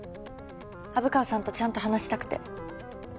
虻川さんとちゃんと話したくて。